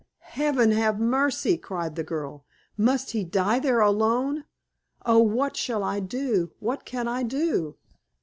"Heaven have mercy!" cried the girl; "must he die there alone? Oh, what shall I do? What can I do?"